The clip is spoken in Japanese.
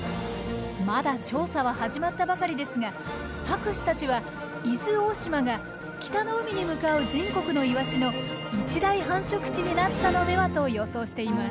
まだ調査は始まったばかりですが博士たちは伊豆大島が北の海に向かう全国のイワシの一大繁殖地になったのではと予想しています。